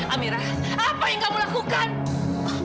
amirah apa yang kamu lakukan